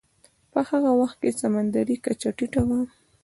په هغه وخت کې سمندرې کچه ټیټه وه.